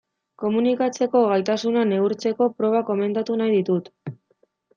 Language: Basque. Komunikatzeko gaitasuna neurtzeko proba komentatu nahi ditut.